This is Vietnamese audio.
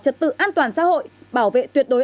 trật tự an toàn xã hội bảo vệ tuyệt đối